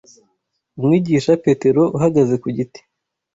Umwigisha petero uhagaze ku giti